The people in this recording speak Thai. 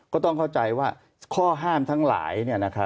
ก็ต้องเข้าใจว่าข้อห้ามทั้งหลาย